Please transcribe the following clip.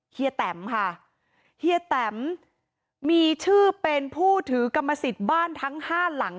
เฮีแตมค่ะเฮียแตมมีชื่อเป็นผู้ถือกรรมสิทธิ์บ้านทั้งห้าหลัง